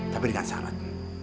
tapi dengan syarat